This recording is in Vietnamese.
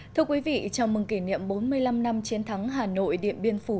thưa quý vị chào mừng kỷ niệm bốn mươi năm năm chiến thắng hà nội điện biên phủ